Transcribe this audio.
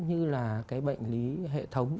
như là cái bệnh lý hệ thống